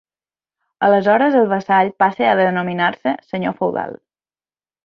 Aleshores el vassall passe a denominar-se ~senyor feudal~.